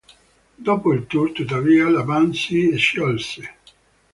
Dopo il tour, tuttavia, la band si sciolse.